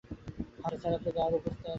হাঁটা ছাড়া তো যাওয়ার অন্য কোনো ব্যবস্থাও নেই।